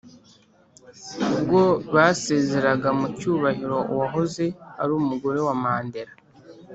ubwo basezeraga mu cyubahiro uwahoze ari umugore wa mandela,